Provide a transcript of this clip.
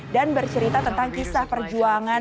dan bercerita tentang kisah perjuangan